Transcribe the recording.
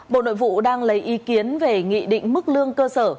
bộ nội vụ đang lấy ý kiến về nghị định mức lương cơ sở